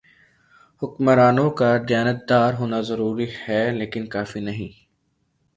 حکمرانوں کا دیانتدار ہونا ضروری ہے لیکن کافی نہیں۔